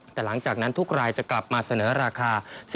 แต่หลังจากนั้นทุกรายจะกลับมาเสนอราคา